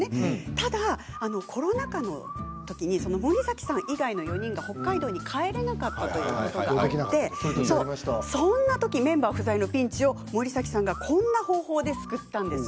ただコロナ禍森崎さん以外の４人が北海道に帰れないことがあってそんな時メンバー不在のピンチを森崎さんがこんな方法で救いました。